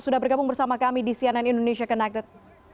sudah bergabung bersama kami di cnn indonesia connected